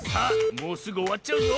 もうすぐおわっちゃうぞ。